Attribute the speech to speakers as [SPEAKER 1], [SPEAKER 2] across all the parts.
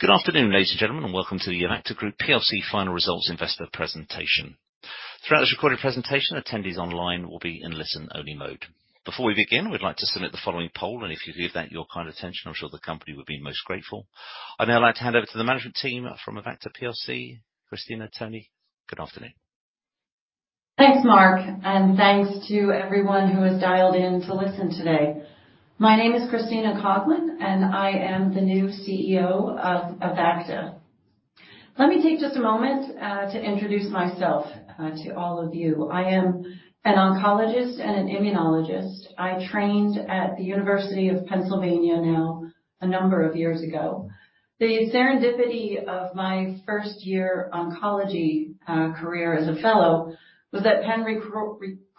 [SPEAKER 1] Good afternoon, ladies and gentlemen, and welcome to the Avacta Group plc final results investor presentation. Throughout this recorded presentation, attendees online will be in listen-only mode. Before we begin, we'd like to submit the following poll, and if you give that your kind attention, I'm sure the company would be most grateful. I'd now like to hand over to the management team from Avacta plc. Christina, Tony, good afternoon.
[SPEAKER 2] Thanks, Mark, and thanks to everyone who has dialed in to listen today. My name is Christina Coughlin, and I am the new CEO of Avacta. Let me take just a moment to introduce myself to all of you. I am an oncologist and an immunologist. I trained at the University of Pennsylvania now, a number of years ago. The serendipity of my first year oncology career as a fellow was that Penn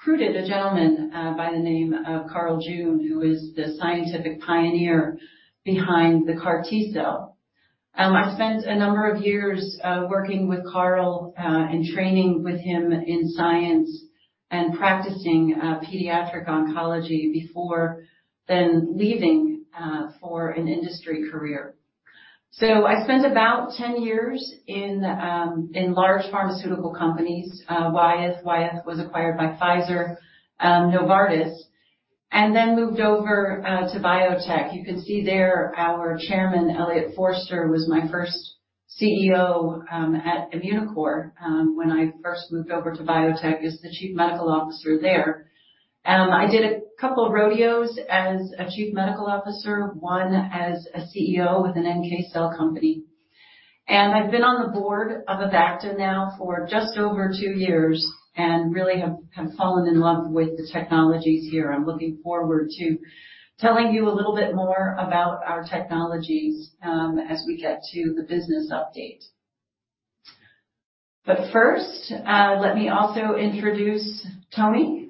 [SPEAKER 2] recruited a gentleman by the name of Carl June, who is the scientific pioneer behind the CAR T cell. I spent a number of years working with Carl and training with him in science and practicing pediatric oncology before then leaving for an industry career. So I spent about 10 years in in large pharmaceutical companies, Wyeth. Wyeth was acquired by Pfizer, Novartis, and then moved over to biotech. You can see there, our Chairman, Eliot Forster, was my first CEO at Immunocore, when I first moved over to biotech, as the Chief Medical Officer there. I did a couple of rodeos as a chief medical officer, one as a CEO with an NK cell company. I've been on the board of Avacta now for just over two years and really have, have fallen in love with the technologies here. I'm looking forward to telling you a little bit more about our technologies, as we get to the business update. But first, let me also introduce Tony,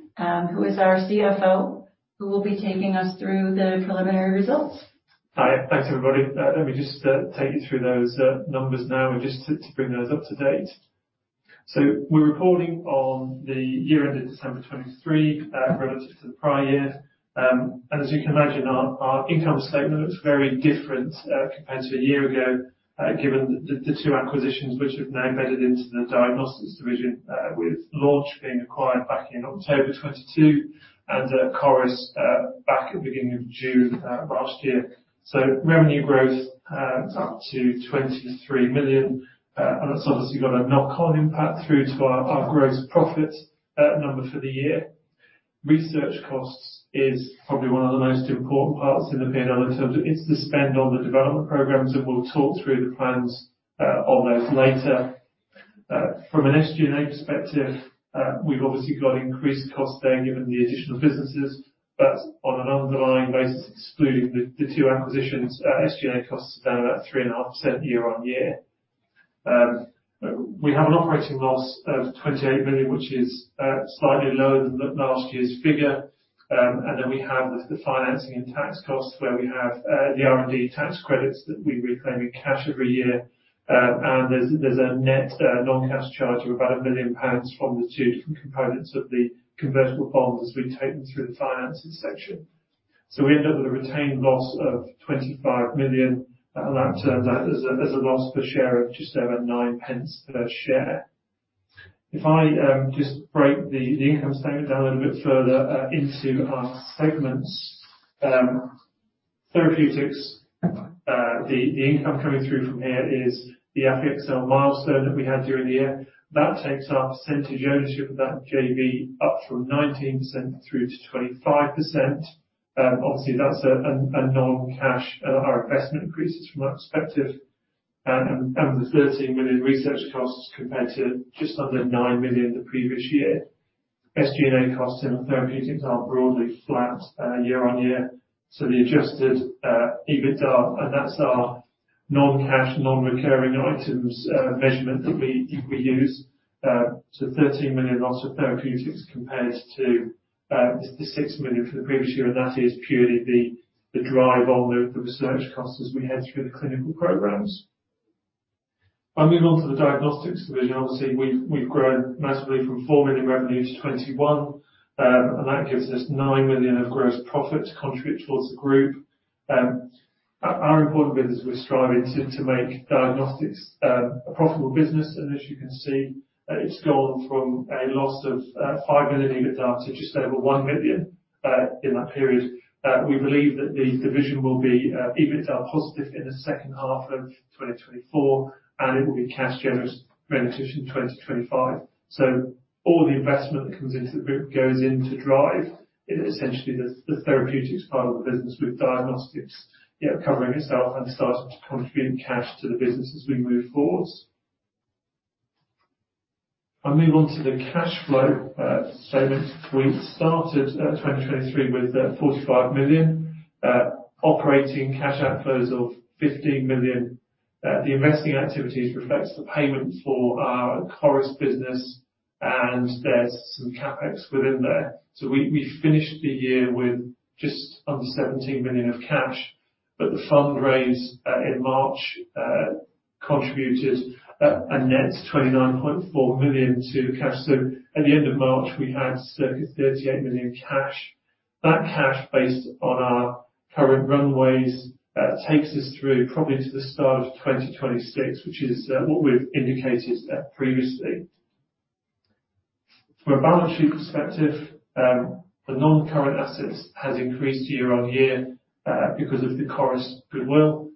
[SPEAKER 2] who is our CFO, who will be taking us through the preliminary results.
[SPEAKER 3] Hi. Thanks, everybody. Let me just take you through those numbers now and just to bring those up to date. So we're reporting on the year ended December 2023, relative to the prior year. As you can imagine, our income statement looks very different, compared to a year ago, given the two acquisitions, which have now embedded into the diagnostics division, with Launch being acquired back in October 2022 and Coris back at the beginning of June last year. So revenue growth is up to 23 million, and that's obviously got a knock-on impact through to our gross profit number for the year. Research costs is probably one of the most important parts in the P&L, in terms of it's the spend on the development programs, and we'll talk through the plans on those later. From an SG&A perspective, we've obviously got increased costs there given the additional businesses, but on an underlying basis, excluding the two acquisitions, SG&A costs are about 3.5% year-on-year. We have an operating loss of 28 million, which is slightly lower than last year's figure. And then we have the financing and tax costs, where we have the R&D tax credits that we reclaim in cash every year. And there's a net non-cash charge of about 1 million pounds from the two different components of the convertible bonds as we take them through the financing section. So we end up with a retained loss of 25 million, and that turns out as a loss per share of just over 9 pence per share. If I just break the income statement down a little bit further into our segments. Therapeutics, the income coming through from here is the AffyXell milestone that we had during the year. That takes our percentage ownership of that JV up from 19% to 25%. Obviously, that's a non-cash. Our investment increases from that perspective, and the 13 million research costs compared to just under 9 million the previous year. SG&A costs in therapeutics are broadly flat year-on year, so the adjusted EBITDA, and that's our non-cash, non-recurring items measurement that we use. So 13 million loss of therapeutics compares to the 6 million for the previous year, and that is purely the drive on the research costs as we head through the clinical programs. I'll move on to the diagnostics division. Obviously, we've grown massively from 4 million revenue to 21 million, and that gives us 9 million of gross profit to contribute towards the group. Our important business, we're striving to make diagnostics a profitable business, and as you can see, it's gone from a loss of 5 million EBITDA to just over 1 million in that period. We believe that the division will be EBITDA positive in the 2nd half of 2024, and it will be cash generative in 2025. So all the investment that comes into the group goes in to drive essentially the, the therapeutics part of the business, with diagnostics, yeah, covering itself and starting to contribute cash to the business as we move forward. I'll move on to the cash flow statement. We started 2023 with 45 million, operating cash outflows of 15 million. The investing activities reflects the payment for our Coris business, and there's some CapEx within there. So we, we finished the year with just under 17 million of cash, but the fundraise in March contributed a net 29.4 million to cash. So at the end of March, we had circa 38 million cash. That cash, based on our current runways, takes us through probably to the start of 2026, which is what we've indicated previously. From a balance sheet perspective, the non-current assets has increased year-over-year, because of the Coris goodwill.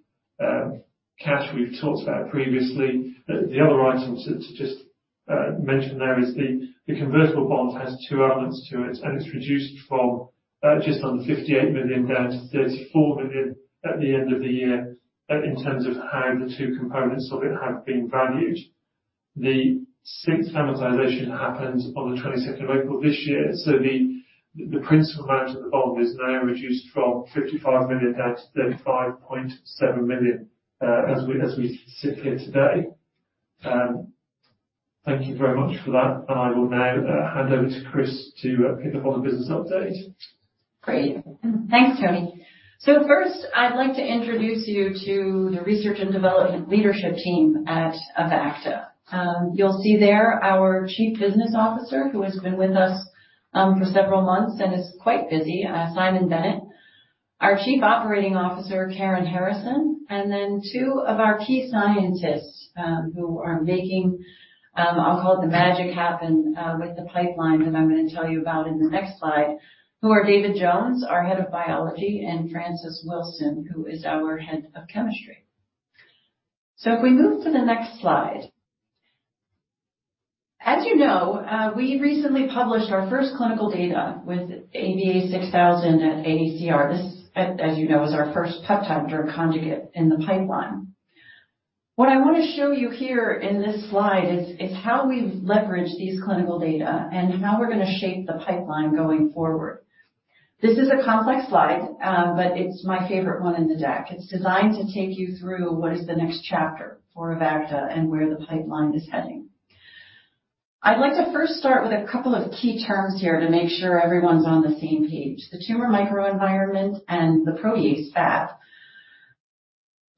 [SPEAKER 3] Cash we've talked about previously. The other item to just mention there is the convertible bond has two elements to it, and it's reduced from just under 58 million down to 34 million at the end of the year, in terms of how the two components of it have been valued. The sixth amortization happened on the twenty-second of April this year, so the principal amount of the bond is now reduced from 55 million down to 35.7 million, as we sit here today. Thank you very much for that, and I will now hand over to Chris to pick up on the business update.
[SPEAKER 2] Great. Thanks, Tony. So first, I'd like to introduce you to the research and development leadership team at Avacta. You'll see there our Chief Business Officer, who has been with us for several months and is quite busy, Simon Bennett. Our Chief Operating Officer, Karen Harrison. And then two of our key scientists, who are making, I'll call it the magic happen, with the pipeline, that I'm gonna tell you about in the next slide, who are David Jones, our Head of Biology, and Francis Wilson, who is our Head of Chemistry. So if we move to the next slide. As you know, we recently published our first clinical data with AVA6000 at AACR. This, as you know, is our first peptide drug conjugate in the pipeline. What I want to show you here in this slide is how we've leveraged these clinical data and how we're gonna shape the pipeline going forward. This is a complex slide, but it's my favorite one in the deck. It's designed to take you through what is the next chapter for Avacta and where the pipeline is heading. I'd like to first start with a couple of key terms here to make sure everyone's on the same page, the tumor microenvironment and the protease FAP.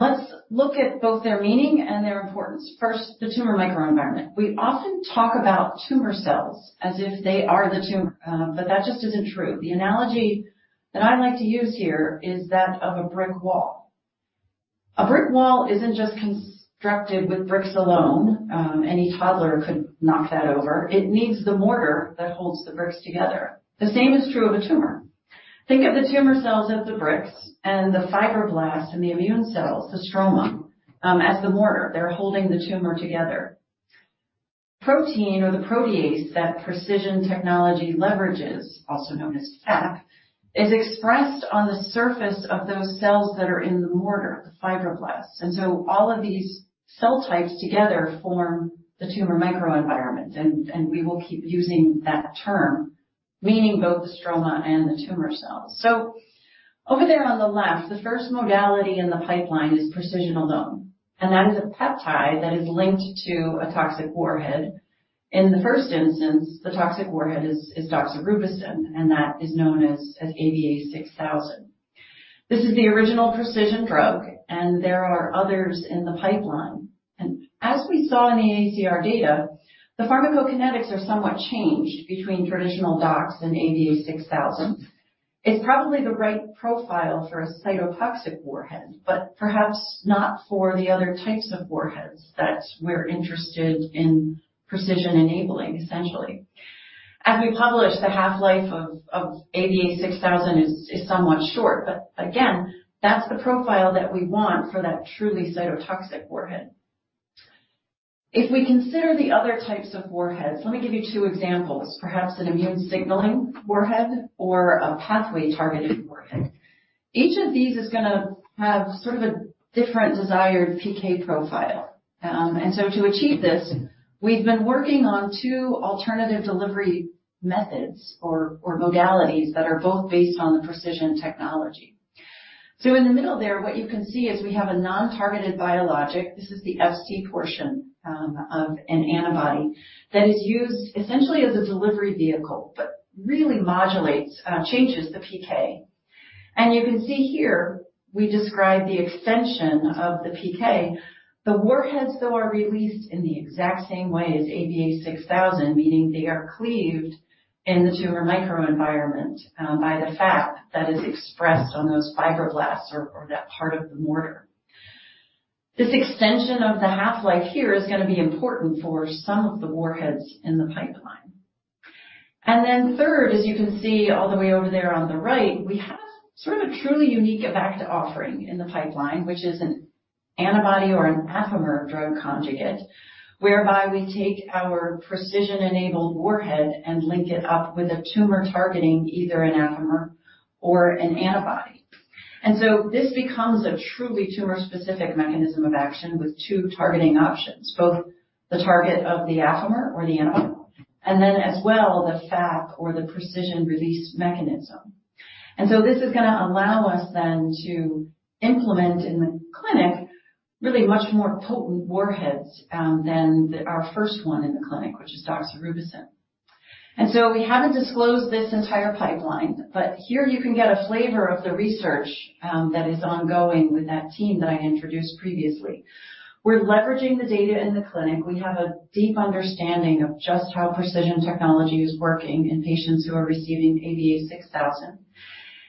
[SPEAKER 2] Let's look at both their meaning and their importance. First, the tumor microenvironment. We often talk about tumor cells as if they are the tumor, but that just isn't true. The analogy that I like to use here is that of a brick wall. A brick wall isn't just constructed with bricks alone. Any toddler could knock that over. It needs the mortar that holds the bricks together. The same is true of a tumor. Think of the tumor cells as the bricks, and the fibroblasts and the immune cells, the stroma, as the mortar. They're holding the tumor together. Protein or the protease, that pre|CISION technology leverages, also known as FAP, is expressed on the surface of those cells that are in the mortar, the fibroblasts. And so all of these cell types together form the tumor microenvironment, and and we will keep using that term, meaning both the stroma and the tumor cells. So over there on the left, the first modality in the pipeline is pre|CISION alone, and that is a peptide that is linked to a toxic warhead. In the first instance, the toxic warhead is, is doxorubicin, and that is known as, as AVA6000. This is the original pre|CISION drug, and there are others in the pipeline. As we saw in the AACR data, the pharmacokinetics are somewhat changed between traditional dox and AVA6000. It's probably the right profile for a cytotoxic warhead, but perhaps not for the other types of warheads that we're interested in pre|CISION enabling, essentially. As we published, the half-life of, of AVA6000 is, is somewhat short, but again, that's the profile that we want for that truly cytotoxic warhead. If we consider the other types of warheads, let me give you two examples, perhaps an immune signaling warhead or a pathway-targeted warhead. Each of these is gonna have sort of a different desired PK profile. And so to achieve this, we've been working on two alternative delivery methods or, or modalities that are both based on the pre|CISION technology. So in the middle there, what you can see is we have a non-targeted biologic. This is the Fc portion of an antibody, that is used essentially as a delivery vehicle, but really modulates changes the PK. And you can see here, we describe the extension of the PK. The warheads, though, are released in the exact same way as AVA6000, meaning they are cleaved in the tumor microenvironment by the FAP that is expressed on those fibroblasts or that part of the stroma. This extension of the half-life here is gonna be important for some of the warheads in the pipeline. And then 3rd, as you can see all the way over there on the right, we have sort of a truly unique Avacta offering in the pipeline, which is an antibody or an Affimer drug conjugate, whereby we take our pre|CISION-enabled warhead and link it up with a tumor targeting either an Affimer or an antibody. And so this becomes a truly tumor-specific mechanism of action, with two targeting options, both the target of the Affimer or the antibody, and then as well, the FAP or the pre|CISION release mechanism. And so this is gonna allow us then to implement in the clinic, really much more potent warheads than our first one in the clinic, which is doxorubicin. And so we haven't disclosed this entire pipeline, but here you can get a flavor of the research that is ongoing with that team that I introduced previously. We're leveraging the data in the clinic. We have a deep understanding of just how pre|CISION technology is working in patients who are receiving AVA6000,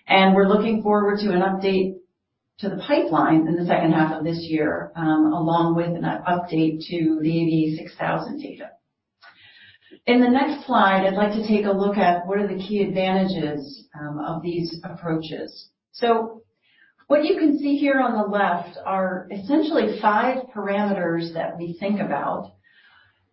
[SPEAKER 2] and we're looking forward to an update to the pipeline in the 2nd half of this year, along with an update to the AVA6000 data. In the next slide, I'd like to take a look at what are the key advantages of these approaches. So what you can see here on the left are essentially five parameters that we think about,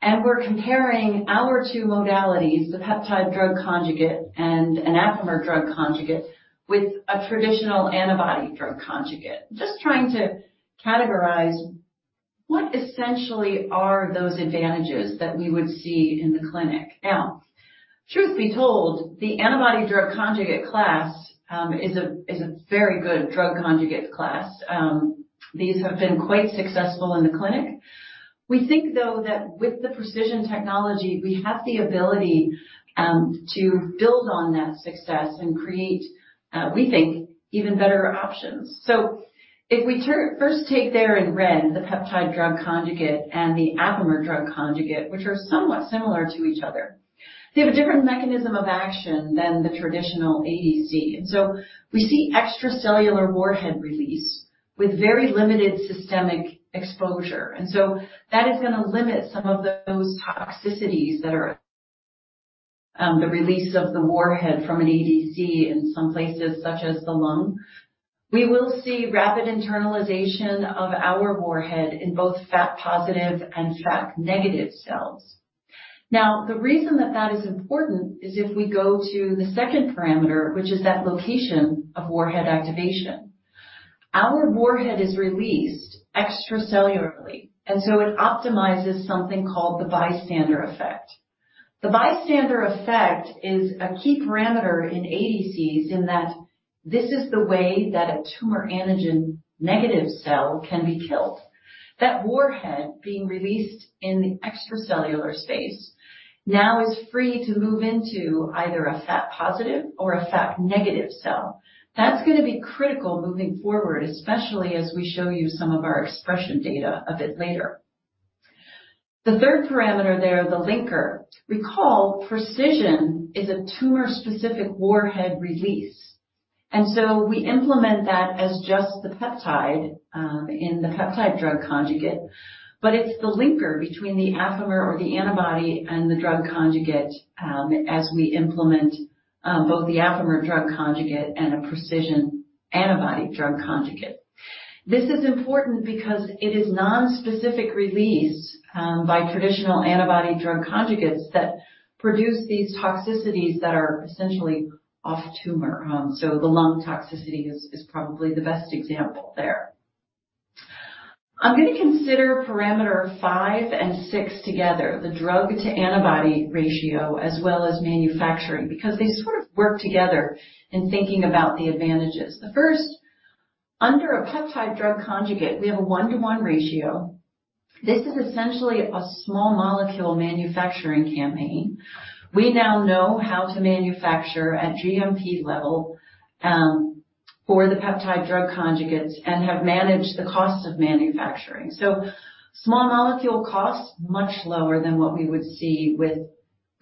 [SPEAKER 2] and we're comparing our two modalities, the peptide drug conjugate, and an Affimer drug conjugate, with a traditional antibody drug conjugate. Just trying to categorize what essentially are those advantages that we would see in the clinic. Now, truth be told, the antibody drug conjugate class is a very good drug conjugate class. These have been quite successful in the clinic. We think, though, that with the pre|CISION technology, we have the ability to build on that success and create, we think, even better options. So if we turn, first take there in red, the peptide drug conjugate and the Affimer drug conjugate, which are somewhat similar to each other. They have a different mechanism of action than the traditional ADC, and so we see extracellular warhead release with very limited systemic exposure, and so that is gonna limit some of those toxicities that are the release of the warhead from an ADC in some places, such as the lung. We will see rapid internalization of our warhead in both FAP-positive and FAP-negative cells. Now, the reason that that is important is if we go to the second parameter, which is that location of warhead activation. Our warhead is released extracellularly, and so it optimizes something called the bystander effect. The bystander effect is a key parameter in ADCs in that this is the way that a tumor antigen-negative cell can be killed. That warhead being released in the extracellular space now is free to move into either a FAP-positive or a FAP-negative cell. That's gonna be critical moving forward, especially as we show you some of our expression data a bit later. The 3rd parameter there, the linker. Recall, pre|CISION is a tumor-specific warhead release, and so we implement that as just the peptide in the peptide drug conjugate, but it's the linker between the Affimer or the antibody and the drug conjugate, as we implement both the Affimer drug conjugate and a pre|CISION antibody drug conjugate. This is important because it is nonspecific release by traditional antibody drug conjugates that produce these toxicities that are essentially off-tumor. So the lung toxicity is probably the best example there. I'm gonna consider parameter 5 and 6 together, the drug-to-antibody ratio, as well as manufacturing, because they sort of work together in thinking about the advantages. The first, under a peptide drug conjugate, we have a 1-to-1 ratio. This is essentially a small molecule manufacturing campaign. We now know how to manufacture at GMP level for the peptide drug conjugates and have managed the cost of manufacturing. So small molecule costs much lower than what we would see with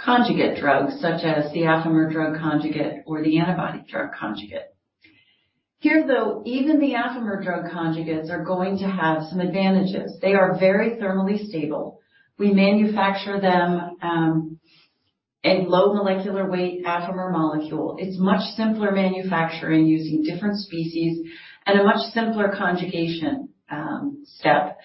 [SPEAKER 2] conjugate drugs, such as the Affimer drug conjugate or the antibody drug conjugate. Here, though, even the Affimer drug conjugates are going to have some advantages. They are very thermally stable. We manufacture them in low molecular weight Affimer molecule. It's much simpler manufacturing using different species and a much simpler conjugation step.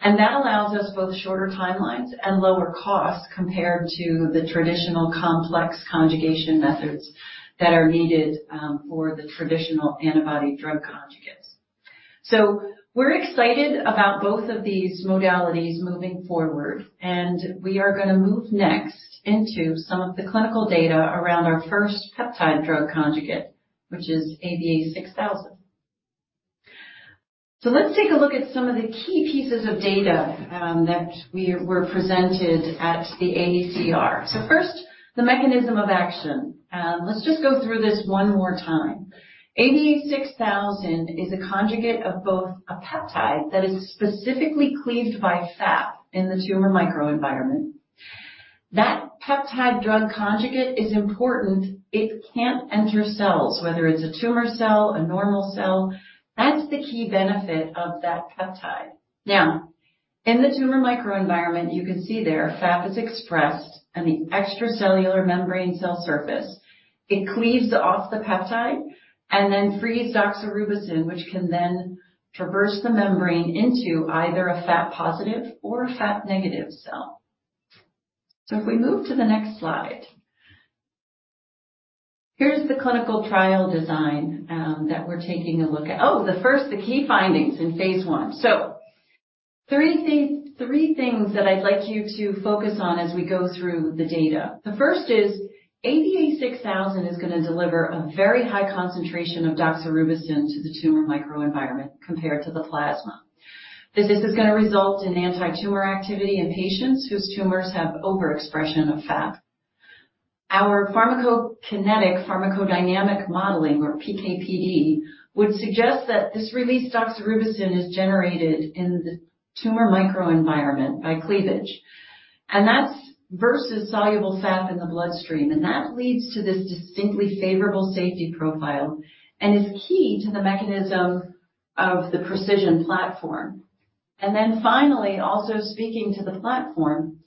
[SPEAKER 2] And that allows us both shorter timelines and lower costs compared to the traditional complex conjugation methods that are needed for the traditional antibody drug conjugates. So we're excited about both of these modalities moving forward, and we are gonna move next into some of the clinical data around our first peptide drug conjugate, which is AVA6000. So let's take a look at some of the key pieces of data that we were presented at the AACR. So first, the mechanism of action. Let's just go through this one more time. AVA6000 is a conjugate of both a peptide that is specifically cleaved by FAP in the tumor microenvironment. That peptide drug conjugate is important. It can't enter cells, whether it's a tumor cell, a normal cell. That's the key benefit of that peptide. Now, in the tumor microenvironment, you can see there, FAP is expressed on the extracellular membrane cell surface. It cleaves off the peptide and then frees doxorubicin, which can then traverse the membrane into either a FAP-positive or a FAP-negative cell. So if we move to the next slide. Here's the clinical trial design that we're taking a look at. Oh, the first, the key findings in phase one. So three things, three things that I'd like you to focus on as we go through the data. The first is AVA6000 is gonna deliver a very high concentration of doxorubicin to the tumor microenvironment compared to the plasma. This is going to result in anti-tumor activity in patients whose tumors have overexpression of FAP. Our pharmacokinetic pharmacodynamic modeling, or PK/PD, would suggest that this released doxorubicin is generated in the tumor microenvironment by cleavage, and that's versus soluble FAP in the bloodstream, and that leads to this distinctly favorable safety profile and is key to the mechanism of the pre|CISION platform. Then finally, also speaking to the platform,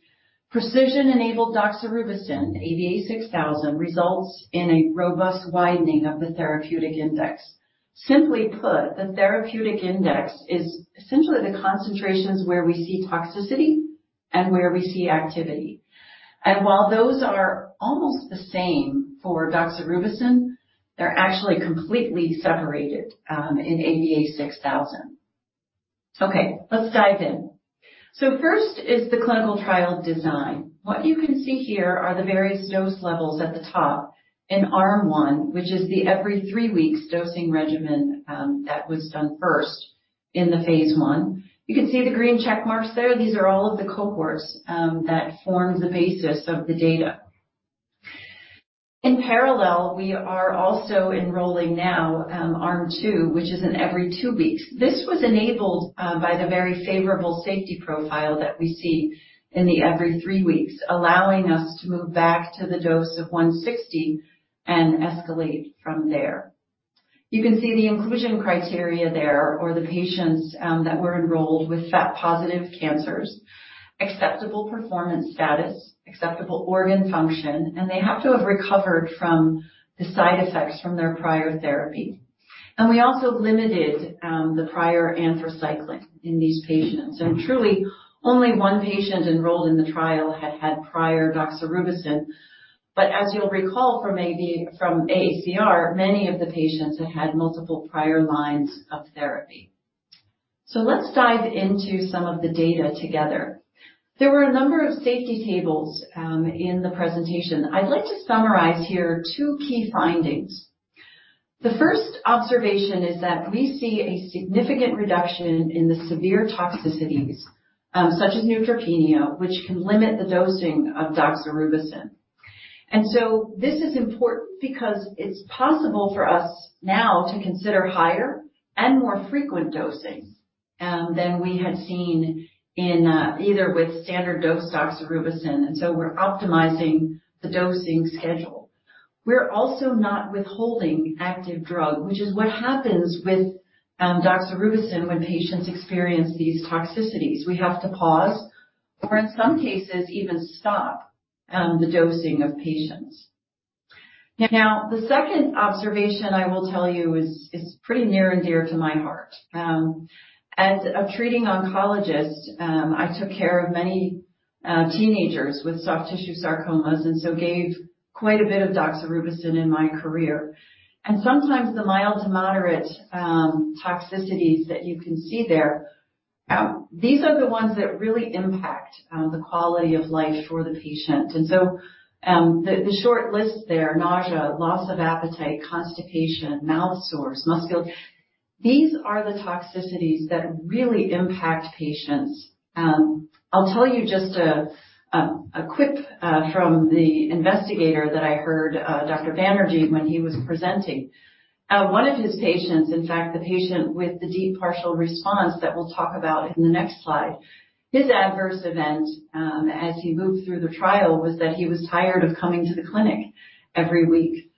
[SPEAKER 2] pre|CISION-enabled doxorubicin, AVA6000, results in a robust widening of the therapeutic index. Simply put, the therapeutic index is essentially the concentrations where we see toxicity and where we see activity. And while those are almost the same for doxorubicin, they're actually completely separated in AVA6000. Okay, let's dive in. So first is the clinical trial design. What you can see here are the various dose levels at the top in Arm 1, which is the every 3 weeks dosing regimen that was done first in the phase 1. You can see the green check marks there. These are all of the cohorts that form the basis of the data. In parallel, we are also enrolling now Arm 2, which is in every 2 weeks. This was enabled by the very favorable safety profile that we see in the every 3 weeks, allowing us to move back to the dose of 160 and escalate from there. You can see the inclusion criteria there, or the patients that were enrolled with FAP-positive cancers, acceptable performance status, acceptable organ function, and they have to have recovered from the side effects from their prior therapy. And we also limited the prior anthracycline in these patients. Truly, only one patient enrolled in the trial had had prior doxorubicin, but as you'll recall from AACR, many of the patients had had multiple prior lines of therapy. Let's dive into some of the data together. There were a number of safety tables in the presentation. I'd like to summarize here two key findings. The first observation is that we see a significant reduction in the severe toxicities such as neutropenia, which can limit the dosing of doxorubicin. So this is important because it's possible for us now to consider higher and more frequent dosing than we had seen in either with standard-dose doxorubicin, and we're optimizing the dosing schedule. We're also not withholding active drug, which is what happens with doxorubicin when patients experience these toxicities. We have to pause or in some cases, even stop, the dosing of patients. Now, the second observation I will tell you is pretty near and dear to my heart. As a treating oncologist, I took care of many teenagers with soft tissue sarcomas, and so gave quite a bit of doxorubicin in my career. Sometimes the mild to moderate toxicities that you can see there, these are the ones that really impact the quality of life for the patient. So, the short list there, nausea, loss of appetite, constipation, mouth sores, muscle. These are the toxicities that really impact patients. I'll tell you just a quick from the investigator that I heard, Dr. Banerji, when he was presenting. One of his patients, in fact, the patient with the deep partial response that we'll talk about in the next slide, his adverse event, as he moved through the trial, was that he was tired of coming to the clinic every week.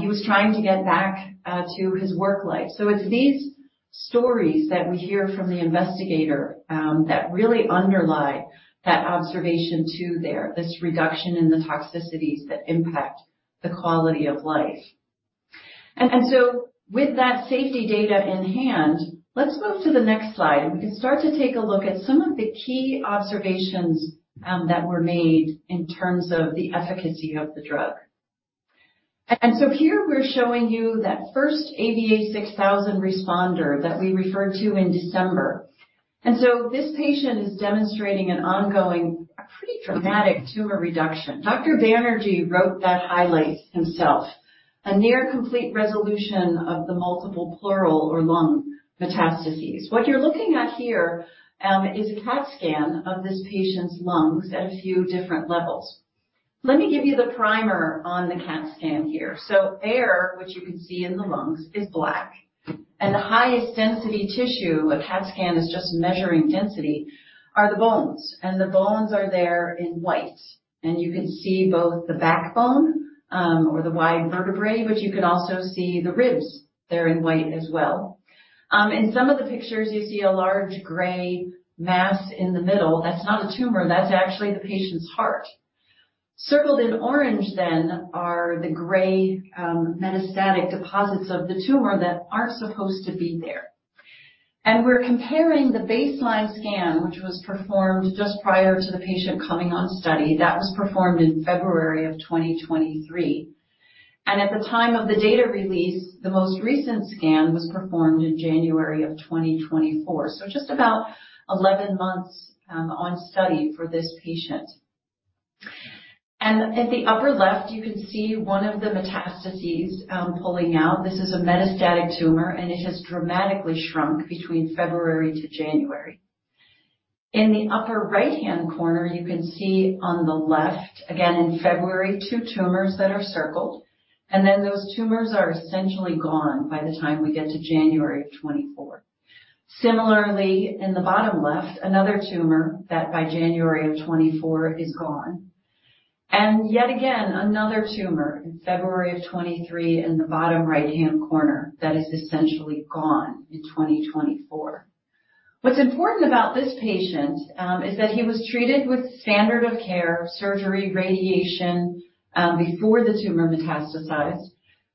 [SPEAKER 2] He was trying to get back to his work life. So it's these stories that we hear from the investigator, that really underlie that observation too there, this reduction in the toxicities that impact the quality of life. And, and so with that safety data in hand, let's move to the next slide, and we can start to take a look at some of the key observations, that were made in terms of the efficacy of the drug. And so here we're showing you that first AVA6000 responder that we referred to in December. This patient is demonstrating an ongoing, a pretty dramatic tumor reduction. Dr. Banerji wrote that highlight himself, a near-complete resolution of the multiple pleural or lung metastases. What you're looking at here is a CAT scan of this patient's lungs at a few different levels. Let me give you the primer on the CAT scan here. Air, which you can see in the lungs, is black, and the highest density tissue, a CAT scan is just measuring density, are the bones, and the bones are there in white. You can see both the backbone, or the wide vertebrae, but you can also see the ribs there in white as well. In some of the pictures, you see a large gray mass in the middle. That's not a tumor. That's actually the patient's heart. Circled in orange then, are the gray, metastatic deposits of the tumor that aren't supposed to be there. We're comparing the baseline scan, which was performed just prior to the patient coming on study, that was performed in February of 2023. At the time of the data release, the most recent scan was performed in January of 2024. Just about 11 months on study for this patient. At the upper left, you can see one of the metastases, pulling out. This is a metastatic tumor, and it has dramatically shrunk between February to January. In the upper right-hand corner, you can see on the left, again in February, two tumors that are circled, and then those tumors are essentially gone by the time we get to January of 2024. Similarly, in the bottom left, another tumor that by January 2024 is gone. And yet again, another tumor in February 2023 in the bottom right-hand corner, that is essentially gone in 2024. What's important about this patient is that he was treated with standard of care, surgery, radiation, before the tumor metastasized.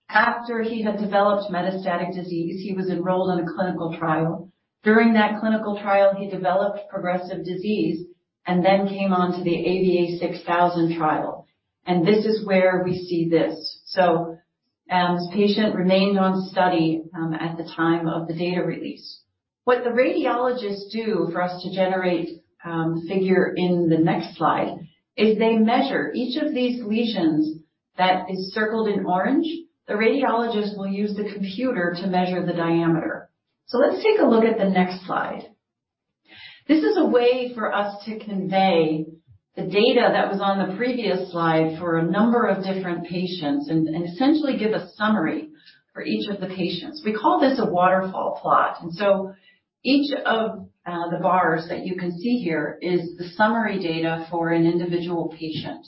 [SPEAKER 2] After he had developed metastatic disease, he was enrolled in a clinical trial. During that clinical trial, he developed progressive disease, and then came on to the AVA6000 trial, and this is where we see this. So, this patient remained on study at the time of the data release. What the radiologists do for us to generate figure in the next slide is they measure each of these lesions that is circled in orange. The radiologist will use the computer to measure the diameter. So let's take a look at the next slide. This is a way for us to convey the data that was on the previous slide for a number of different patients and, and essentially give a summary for each of the patients. We call this a waterfall plot, and so each of the bars that you can see here is the summary data for an individual patient.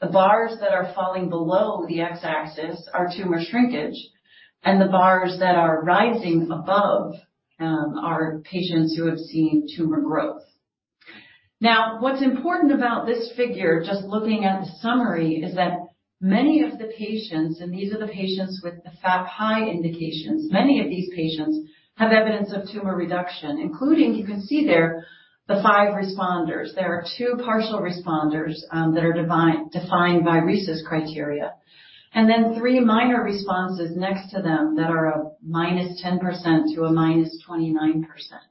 [SPEAKER 2] The bars that are falling below the X-axis are tumor shrinkage, and the bars that are rising above are patients who have seen tumor growth. Now, what's important about this figure, just looking at the summary, is that many of the patients, and these are the patients with the FAP-high indications, many of these patients have evidence of tumor reduction, including, you can see there, the five responders. There are two partial responders that are defined by RECIST criteria, and then three minor responses next to them that are a -10% to a -29%.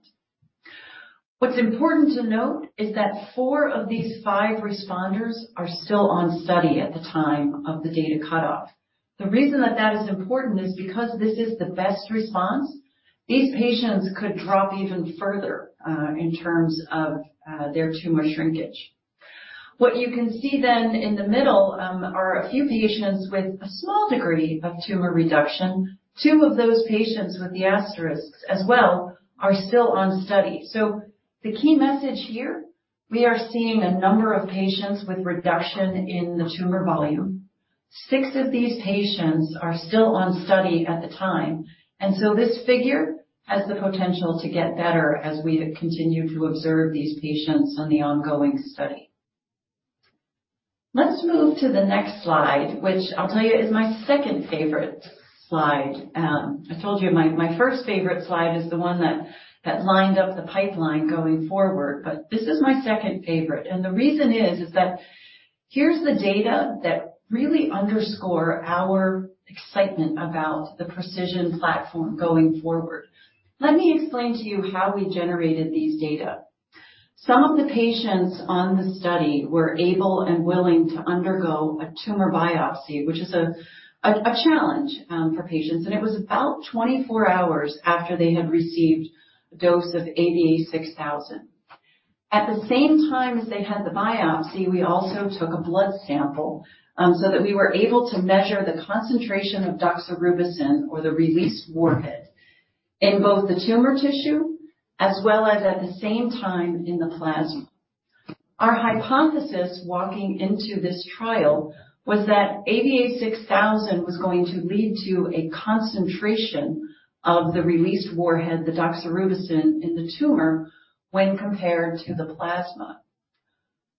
[SPEAKER 2] What's important to note is that four of these five responders are still on study at the time of the data cutoff. The reason that that is important is because this is the best response. These patients could drop even further in terms of their tumor shrinkage. What you can see then in the middle are a few patients with a small degree of tumor reduction. Two of those patients with the asterisks as well are still on study. So the key message here, we are seeing a number of patients with reduction in the tumor volume. Six of these patients are still on study at the time, and so this figure has the potential to get better as we continue to observe these patients on the ongoing study. Let's move to the next slide, which I'll tell you is my second favorite slide. I told you my first favorite slide is the one that lined up the pipeline going forward, but this is my second favorite. And the reason is that here's the data that really underscore our excitement about the pre|CISION platform going forward. Let me explain to you how we generated these data. Some of the patients on the study were able and willing to undergo a tumor biopsy, which is a challenge, for patients, and it was about 24 hours after they had received a dose of AVA6000. At the same time as they had the biopsy, we also took a blood sample, so that we were able to measure the concentration of doxorubicin or the released warhead in both the tumor tissue as well as at the same time in the plasma. Our hypothesis walking into this trial was that AVA6000 was going to lead to a concentration of the released warhead, the doxorubicin, in the tumor when compared to the plasma.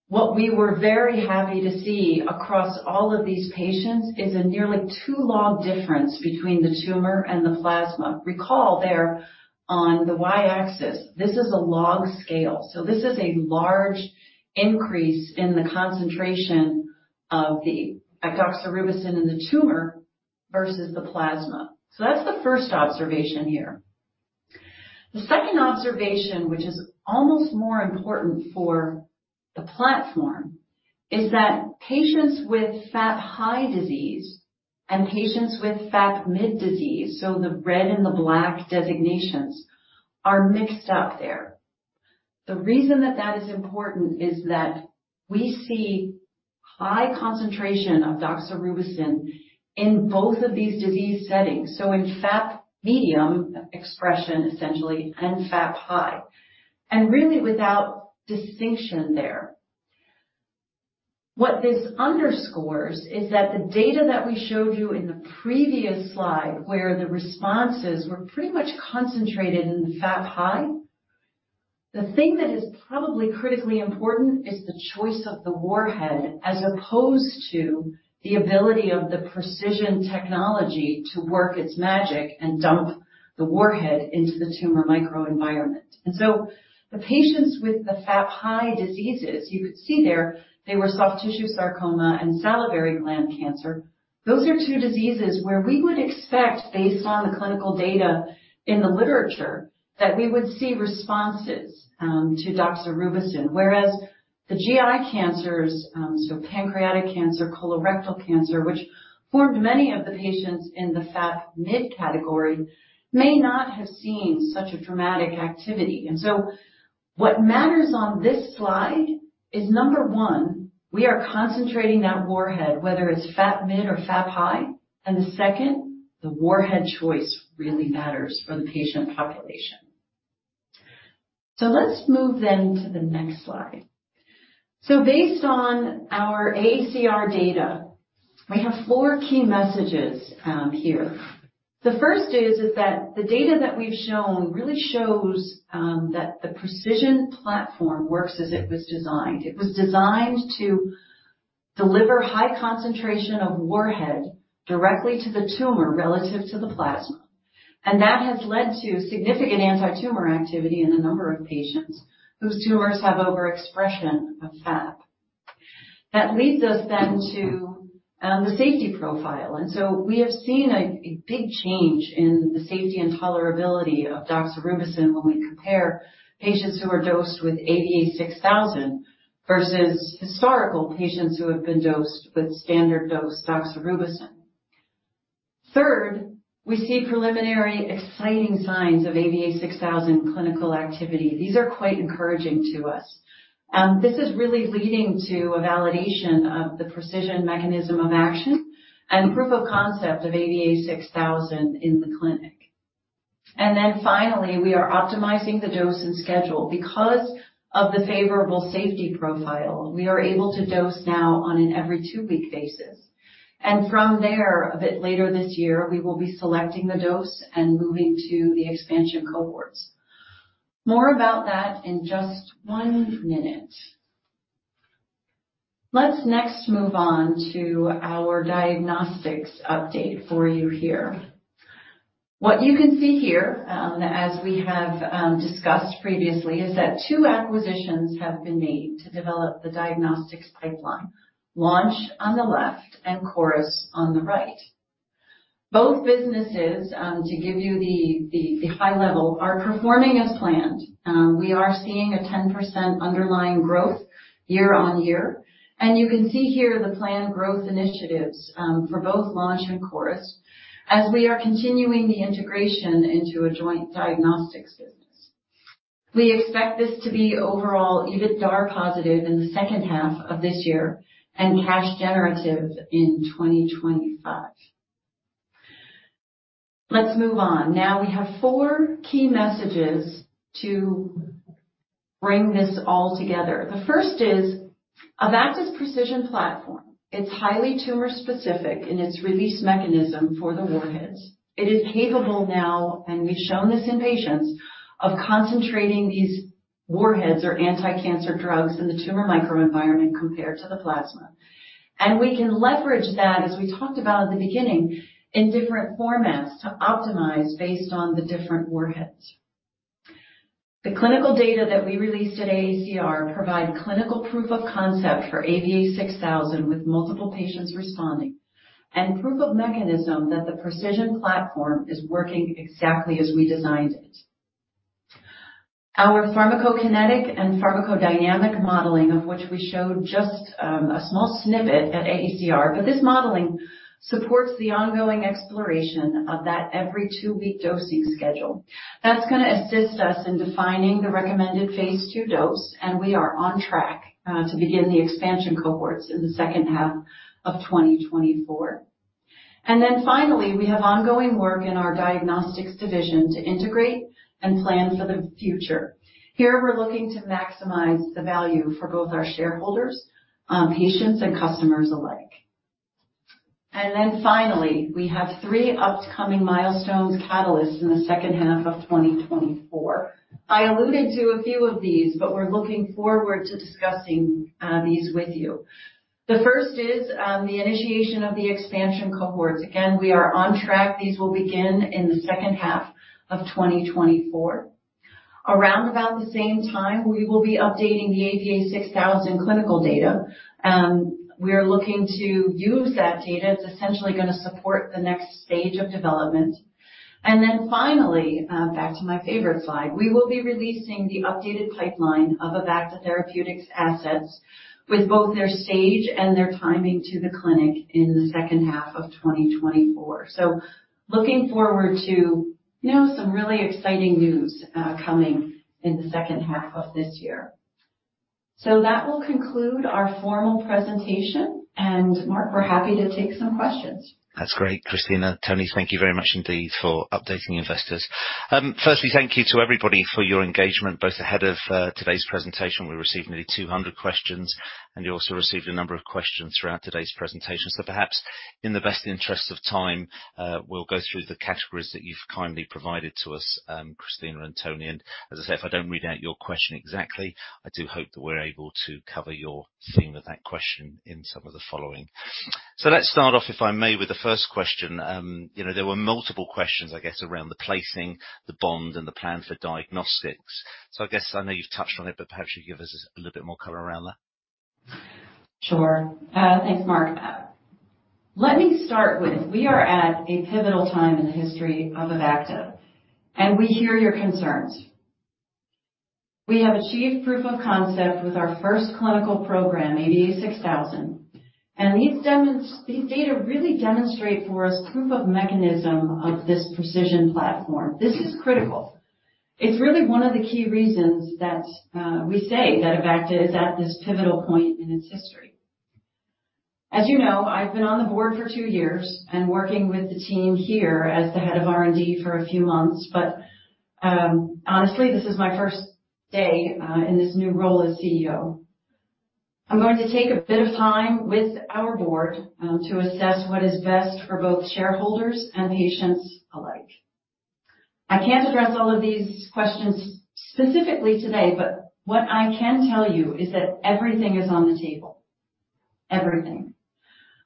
[SPEAKER 2] What we were very happy to see across all of these patients is a nearly 2-log difference between the tumor and the plasma. Recall there on the Y-axis, this is a log scale, so this is a large increase in the concentration of the doxorubicin in the tumor versus the plasma. So that's the first observation here. The second observation, which is almost more important for the platform, is that patients with FAP-high disease and patients with FAP-mid disease, so the red and the black designations, are mixed up there. The reason that that is important is that we see high concentration of doxorubicin in both of these disease settings. So in FAP medium expression, essentially, and FAP-high, and really without distinction there. What this underscores is that the data that we showed you in the previous slide, where the responses were pretty much concentrated in the FAP-high, the thing that is probably critically important is the choice of the warhead, as opposed to the ability of the pre|CISION technology to work its magic and dump the warhead into the tumor microenvironment. The patients with the FAP-high diseases, you could see there, they were soft tissue sarcoma and salivary gland cancer. Those are two diseases where we would expect, based on the clinical data in the literature, that we would see responses to doxorubicin, whereas the GI cancers, so pancreatic cancer, colorectal cancer, which formed many of the patients in the FAP-mid category, may not have seen such a dramatic activity. What matters on this slide is, number one, we are concentrating that warhead, whether it's FAP-mid or FAP-high, and the second, the warhead choice really matters for the patient population. Let's move then to the next slide. Based on our AACR data, we have four key messages here. The first is that the data that we've shown really shows that the pre|CISION platform works as it was designed. It was designed to deliver high concentration of warhead directly to the tumor relative to the plasma, and that has led to significant anti-tumor activity in a number of patients whose tumors have overexpression of FAP. That leads us then to the safety profile, and so we have seen a big change in the safety and tolerability of doxorubicin when we compare patients who are dosed with AVA6000 versus historical patients who have been dosed with standard-dose doxorubicin. Third, we see preliminary exciting signs of AVA6000 clinical activity. These are quite encouraging to us. This is really leading to a validation of the pre|CISION mechanism of action and proof of concept of AVA6000 in the clinic. And then finally, we are optimizing the dose and schedule. Because of the favorable safety profile, we are able to dose now on an every two-week basis, and from there, a bit later this year, we will be selecting the dose and moving to the expansion cohorts. More about that in just one minute. Let's next move on to our diagnostics update for you here. What you can see here, as we have discussed previously, is that two acquisitions have been made to develop the diagnostics pipeline. Launch on the left and Coris on the right. Both businesses, to give you the high level, are performing as planned. We are seeing a 10% underlying growth year-on-year, and you can see here the planned growth initiatives, for both Launch and Coris, as we are continuing the integration into a joint diagnostics business. We expect this to be overall EBITDA positive in the 2nd half of this year and cash generative in 2025. Let's move on. Now, we have four key messages to bring this all together. The first is Avacta's pre|CISION platform. It's highly tumor-specific in its release mechanism for the warheads. It is capable now, and we've shown this in patients, of concentrating these warheads or anticancer drugs in the tumor microenvironment compared to the plasma. And we can leverage that, as we talked about at the beginning, in different formats to optimize based on the different warheads. The clinical data that we released at AACR provide clinical proof of concept for AVA6000, with multiple patients responding, and proof of mechanism that the pre|CISION platform is working exactly as we designed it. Our pharmacokinetic and pharmacodynamic modeling, of which we showed just, a small snippet at AACR, but this modeling supports the ongoing exploration of that every two-week dosing schedule. That's gonna assist us in defining the recommended phase two dose, and we are on track, to begin the expansion cohorts in the 2nd half of 2024. And then finally, we have ongoing work in our diagnostics division to integrate and plan for the future. Here, we're looking to maximize the value for both our shareholders, patients, and customers alike. And then finally, we have three upcoming milestones catalysts in the 2nd half of 2024. I alluded to a few of these, but we're looking forward to discussing these with you. The first is the initiation of the expansion cohorts. Again, we are on track. These will begin in the 2nd half of 2024. Around about the same time, we will be updating the AVA6000 clinical data. We are looking to use that data. It's essentially gonna support the next stage of development. And then finally, back to my favorite slide, we will be releasing the updated pipeline of Avacta Therapeutics assets with both their stage and their timing to the clinic in the 2nd half of 2024. So looking forward to some really exciting news coming in the 2nd half of this year. So that will conclude our formal presentation, and Mark, we're happy to take some questions.
[SPEAKER 1] That's great, Christina. Tony, thank you very much indeed for updating investors. Firstly, thank you to everybody for your engagement, both ahead of today's presentation. We received nearly 200 questions, and you also received a number of questions throughout today's presentation. So perhaps in the best interest of time, we'll go through the categories that you've kindly provided to us, Christina and Tony. And as I say, if I don't read out your question exactly, I do hope that we're able to cover your theme of that question in some of the following. So let's start off, if I may, with the first question. You know, there were multiple questions, I guess, around the placing, the bond and the plan for diagnostics. So I guess I know you've touched on it, but perhaps you could give us a little bit more color around that?
[SPEAKER 2] Sure. Thanks, Mark. Let me start with, we are at a pivotal time in the history of Avacta, and we hear your concerns. We have achieved proof of concept with our first clinical program, AVA6000, and these data really demonstrate for us proof of mechanism of this pre|CISION platform. This is critical. It's really one of the key reasons that we say that Avacta is at this pivotal point in its history. As you know, I've been on the board for two years and working with the team here as the head of R&D for a few months, but, honestly, this is my first day in this new role as CEO. I'm going to take a bit of time with our board to assess what is best for both shareholders and patients alike. I can't address all of these questions specifically today, but what I can tell you is that everything is on the table. Everything.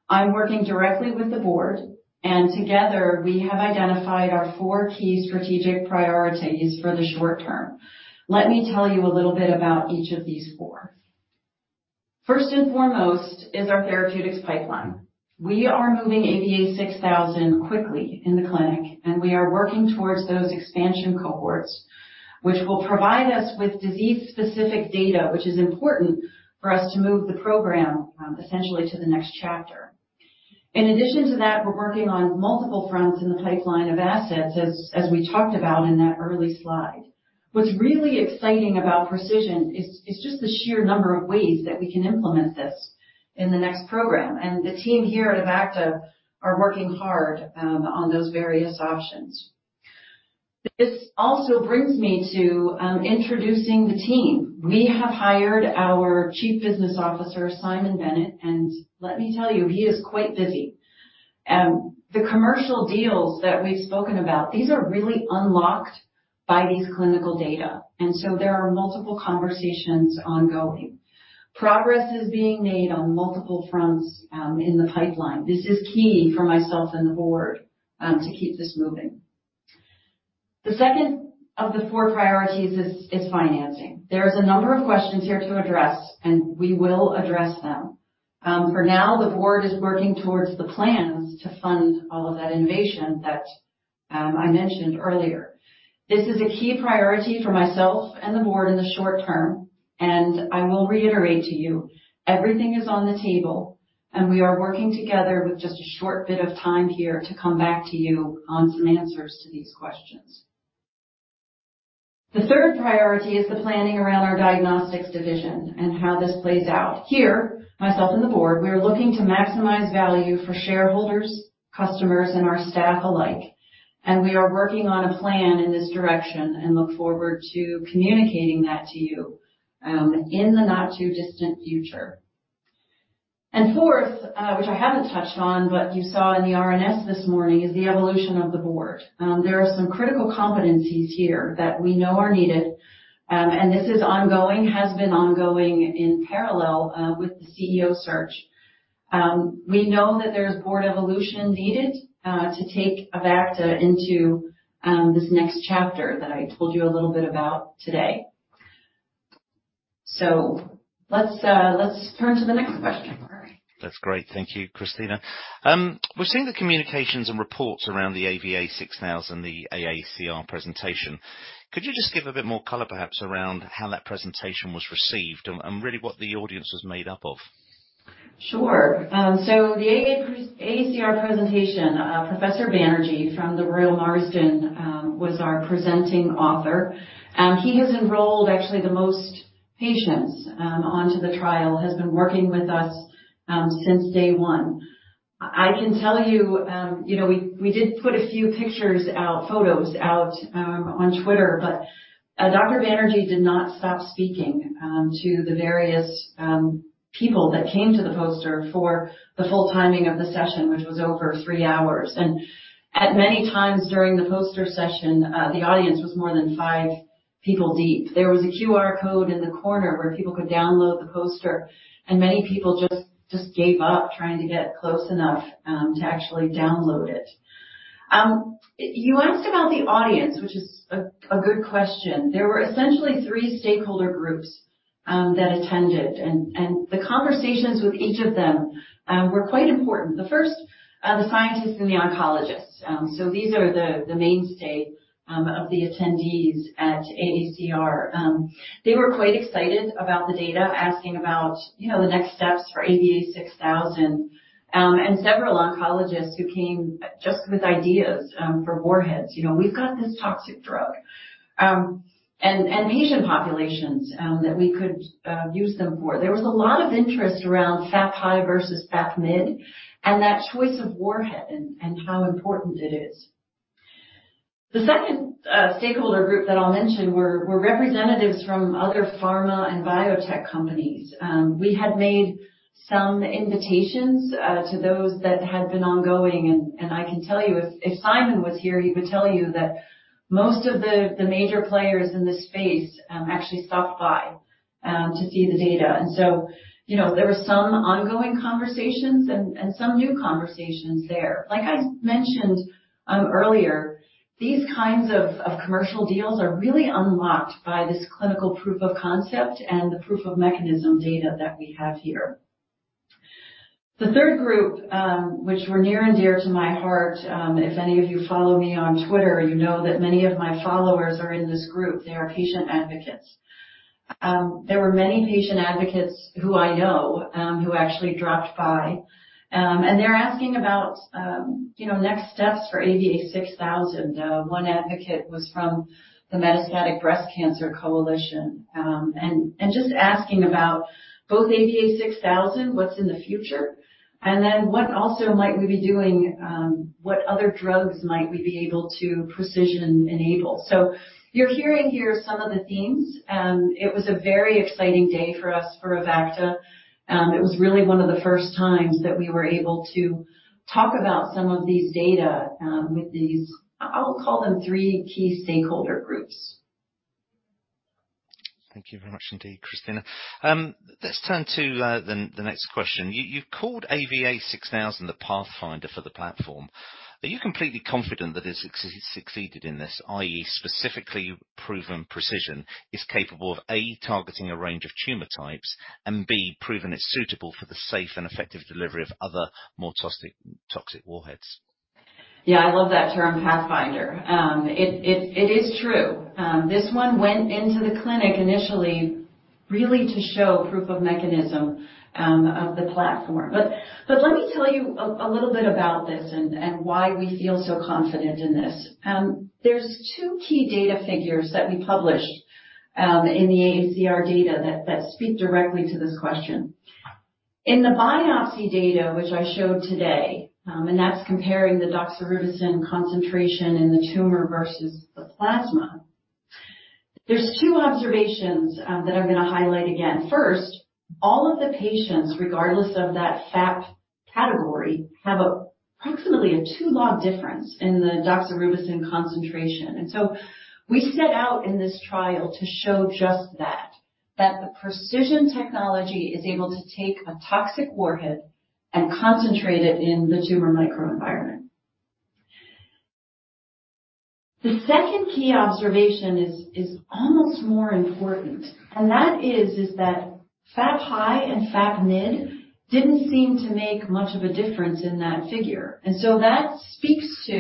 [SPEAKER 2] I'm working directly with the board, and together, we have identified our four key strategic priorities for the short term. Let me tell you a little bit about each of these four. First and foremost is our therapeutics pipeline. We are moving AVA6000 quickly in the clinic, and we are working towards those expansion cohorts, which will provide us with disease-specific data, which is important for us to move the program essentially to the next chapter. In addition to that, we're working on multiple fronts in the pipeline of assets as we talked about in that early slide. What's really exciting about pre|CISION is just the sheer number of ways that we can implement this in the next program, and the team here at Avacta are working hard on those various options. This also brings me to introducing the team. We have hired our Chief Business Officer, Simon Bennett, and let me tell you, he is quite busy. The commercial deals that we've spoken about, these are really unlocked by these clinical data, and so there are multiple conversations ongoing. Progress is being made on multiple fronts in the pipeline. This is key for myself and the board to keep this moving. The second of the four priorities is financing. There are a number of questions here to address, and we will address them. For now, the board is working towards the plans to fund all of that innovation that I mentioned earlier. This is a key priority for myself and the board in the short term, and I will reiterate to you, everything is on the table, and we are working together with just a short bit of time here to come back to you on some answers to these questions. The 3rd priority is the planning around our diagnostics division and how this plays out. Here, myself and the board, we are looking to maximize value for shareholders, customers, and our staff alike, and we are working on a plan in this direction and look forward to communicating that to you, in the not-too-distant future. And fourth, which I haven't touched on, but you saw in the RNS this morning, is the evolution of the board. There are some critical competencies here that we know are needed, and this is ongoing, has been ongoing in parallel with the CEO search. We know that there's board evolution needed to take Avacta into this next chapter that I told you a little bit about today. So let's turn to the next question, Mark.
[SPEAKER 1] That's great. Thank you, Christina. We've seen the communications and reports around the AVA6000, the AACR presentation. Could you just give a bit more color, perhaps, around how that presentation was received and, and really what the audience was made up of?
[SPEAKER 2] Sure. So the AACR presentation, Professor Banerji from the Royal Marsden was our presenting author. He has enrolled, actually, the most patients onto the trial, has been working with us since day one. I can tell you, you know, we did put a few pictures out, photos out, on Twitter, but Dr. Banerji did not stop speaking to the various people that came to the poster for the full timing of the session, which was over three hours. And at many times during the poster session, the audience was more than five people deep. There was a QR code in the corner where people could download the poster, and many people just gave up trying to get close enough to actually download it. You asked about the audience, which is a good question. There were essentially three stakeholder groups that attended, and the conversations with each of them were quite important. The first, the scientists and the oncologists. So these are the mainstay of the attendees at AACR. They were quite excited about the data, asking about, you know, the next steps for AVA6000. And several oncologists who came just with ideas for warheads. You know, we've got this toxic drug, and Asian populations that we could use them for. There was a lot of interest around FAP-high versus FAP-mid, and that choice of warhead and how important it is. The second stakeholder group that I'll mention were representatives from other pharma and biotech companies. We had made some invitations to those that had been ongoing, and I can tell you, if Simon was here, he would tell you that most of the major players in this space actually stopped by to see the data. And so, you know, there were some ongoing conversations and some new conversations there. Like I mentioned earlier, these kinds of commercial deals are really unlocked by this clinical proof of concept and the proof of mechanism data that we have here. The 3rd group, which were near and dear to my heart, if any of you follow me on Twitter, you know that many of my followers are in this group. They are patient advocates. There were many patient advocates who I know, who actually dropped by, and they're asking about, you know, next steps for AVA6000. One advocate was from the Metastatic Breast Cancer Coalition, and, and just asking about both AVA6000, what's in the future, and then what also might we be doing, what other drugs might we be able to pre|CISION enable? So you're hearing here some of the themes, and it was a very exciting day for us, for Avacta. It was really one of the first times that we were able to talk about some of these data, with these, I'll call them three key stakeholder groups.
[SPEAKER 1] Thank you very much indeed, Christina. Let's turn to the next question. You've called AVA6000 the pathfinder for the platform. Are you completely confident that it's succeeded in this, i.e., specifically proven pre|CISION is capable of, A, targeting a range of tumor types, and B, proven it's suitable for the safe and effective delivery of other more toxic warheads?
[SPEAKER 2] Yeah, I love that term, pathfinder. It is true. This one went into the clinic initially, really to show proof of mechanism of the platform. But let me tell you a little bit about this and why we feel so confident in this. There's two key data figures that we published in the AACR data that speak directly to this question. In the biopsy data, which I showed today, and that's comparing the doxorubicin concentration in the tumor versus the plasma. There's two observations that I'm gonna highlight again. First, all of the patients, regardless of that FAP category, have approximately a two-log difference in the doxorubicin concentration. And so we set out in this trial to show just that, that the pre|CISION technology is able to take a toxic warhead and concentrate it in the tumor microenvironment. The second key observation is almost more important, and that is that FAP-high and FAP-mid didn't seem to make much of a difference in that figure. And so that speaks to,